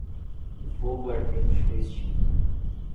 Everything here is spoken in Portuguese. O fogo ardente foi extinto.